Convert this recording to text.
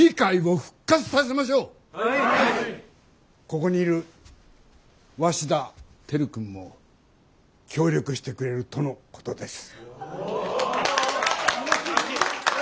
ここにいる鷲田照君も協力してくれるとのことです。